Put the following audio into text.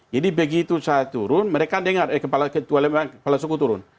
jadi begitu saya turun mereka dengar eh kepala ketua lemah kepala suku turun